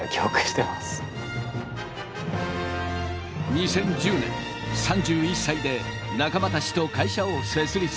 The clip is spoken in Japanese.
２０１０年３１歳で仲間たちと会社を設立。